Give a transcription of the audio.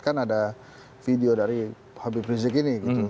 kan ada video dari habib rizik ini